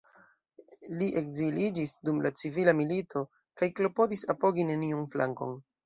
Li ekziliĝis dum la civila milito, kaj klopodis apogi neniun flankon.